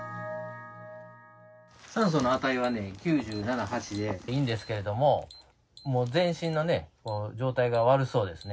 酸素の値は９７、８で、いいんですけれども、もう全身の状態が悪そうですね。